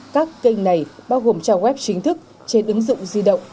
các kênh này bao gồm trang web chính thức trên ứng dụng di động